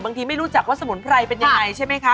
บางทีไม่รู้จักว่าสมุนไพรเป็นอย่างไรใช่ไหมคะ